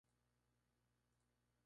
Existen muchísimos tipos de nudos.